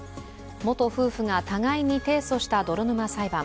元夫婦が互いに提訴した泥沼裁判。